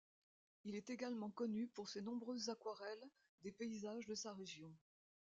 Il est également connu pour ses nombreuses aquarelles des paysages de sa région.